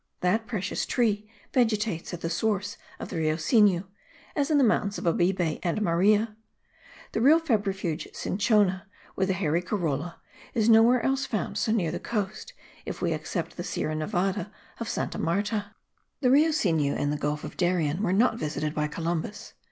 That precious tree vegetates at the source of the Rio Sinu, as in the mountains of Abibe and Maria. The real febrifuge cinchona, with a hairy corolla, is nowhere else found so near the coast, if we except the Sierra Nevada of Santa Marta. The Rio Sinu and the Gulf of Darien were not visited by Columbus.